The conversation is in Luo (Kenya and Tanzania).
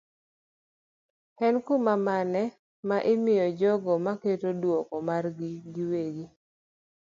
en kum mane ma imiyo jogo maketo duoko margi giwegi.